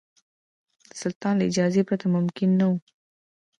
د سلطان له اجازې پرته ممکن نه وو.